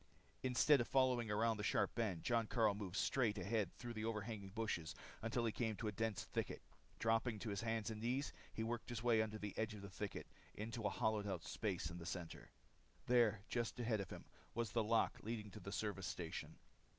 Instead of following around the sharp bend, Jon Karyl moved straight ahead through the overhanging bushes until he came to a dense thicket. Dropping to his hands and knees he worked his way under the edge of the thicket into a hollowed out space in the center. There, just ahead of him, was the lock leading into the service station.